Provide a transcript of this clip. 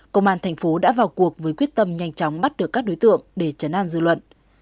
công an thành phố đã vào cuộc với quyết tâm nhanh chóng bắt được các đối tượng để chấn an dư luận